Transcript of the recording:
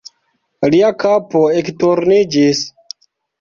Lia kapo ekturniĝis.